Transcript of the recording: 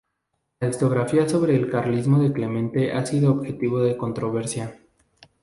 La historiografía sobre el carlismo de Clemente ha sido objeto de controversia.